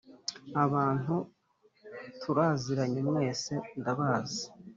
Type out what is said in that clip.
abantu turaziranye mwese ndabazi